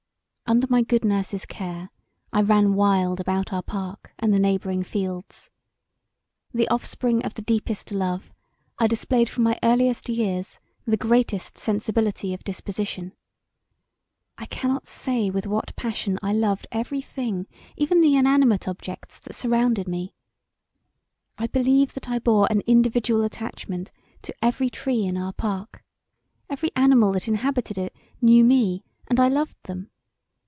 Under my good nurse's care I ran wild about our park and the neighbouring fields. The offspring of the deepest love I displayed from my earliest years the greatest sensibility of disposition. I cannot say with what passion I loved every thing even the inanimate objects that surrounded me. I believe that I bore an individual attachment to every tree in our park; every animal that inhabited it knew me and I loved them.